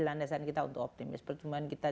landasan kita untuk optimis percuma kita